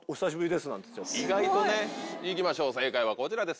すごい！行きましょう正解はこちらです。